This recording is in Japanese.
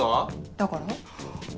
だから？